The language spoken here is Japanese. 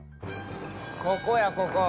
ここやここ。